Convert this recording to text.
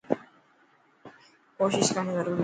ڪوشش ڪرڻ ضروري هي.